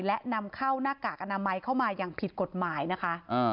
และนำเข้าหน้ากากอนามัยเข้ามาอย่างผิดกฎหมายนะคะ